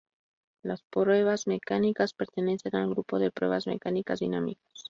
Las pruebas mecánicas pertenecen al grupo de pruebas mecánicas dinámicas.